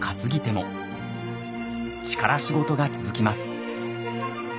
力仕事が続きます。